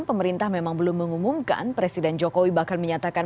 pemerintah memang belum mengumumkan presiden jokowi bahkan menyatakan